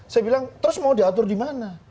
saya bilang terus mau diatur dimana